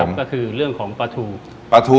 สปาเกตตี้ปลาทู